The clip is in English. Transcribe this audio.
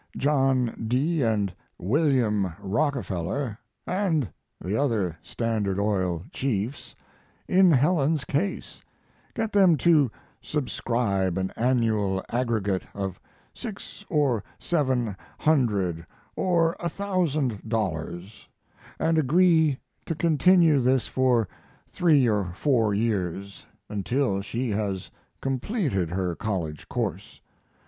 John D. & William Rockefeller & the other Standard Oil chiefs in Helen's case; get them to subscribe an annual aggregate of six or seven hundred or a thousand dollars & agree to continue this for three or four years, until she has completed her college course.